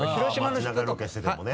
街中でロケしててもね。